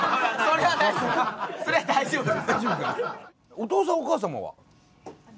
お父さんお母様は？